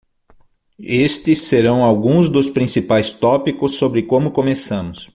Estes serão alguns dos principais tópicos sobre como começamos.